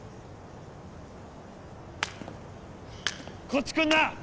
こっち来んな！